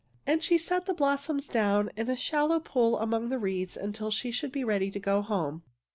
And she set the blossoms down in a shallow pool among the reeds until she should be ready to go home.